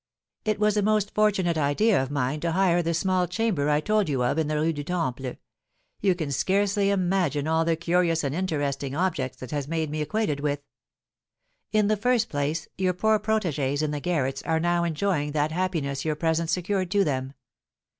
"It was a most fortunate idea of mine to hire the small chamber I told you of in the Rue du Temple; you can scarcely imagine all the curious and interesting objects it has made me acquainted with. In the first place your poor protégées in the garrets are now enjoying that happiness your presence secured to them.